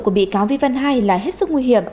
của bị cáo vi văn hai là hết sức nguy hiểm